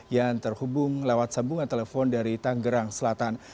yang terhubung lewat sambungan telepon dari tanggerang selatan